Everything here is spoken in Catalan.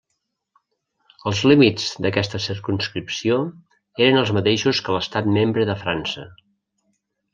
Els límits d'aquesta circumscripció eren els mateixos que l'estat membre de França.